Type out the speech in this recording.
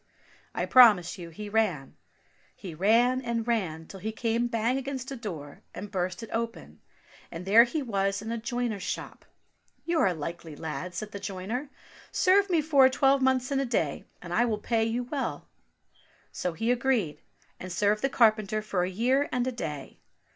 I promise you he ran ; he ran and ran till he came bang against a door, and burst it open, and there he was^in a joiner's shop. "You're a likely lad," said the joiner; "serve me for a twelvemonths and a day and I will pay you well." So 348 ENGLISH FAIRY TALES he agreed, and served the carpenter for a year and a day.